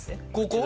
ここ。